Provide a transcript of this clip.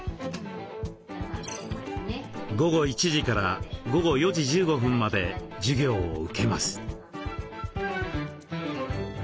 午後１時から午後４時１５分まで授業を受けます。